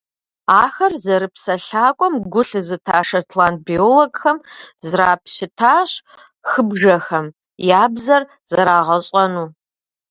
Ахэр зэрыпсэлъакӏуэм гу лъызыта шотланд биологхэм зрапщытащ хыбжэхэм я «бзэр» зэрагъэщӏэну.